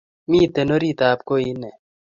Miten oritab koii ine